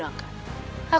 jurus apa yang digunakan